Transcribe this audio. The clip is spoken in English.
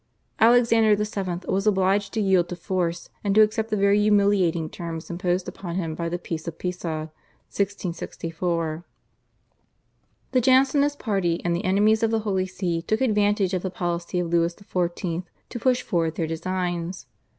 Alexander VII. was obliged to yield to force, and to accept the very humiliating terms imposed upon him by the Peace of Pisa (1664). The Jansenist party and the enemies of the Holy See took advantage of the policy of Louis XIV. to push forward their designs.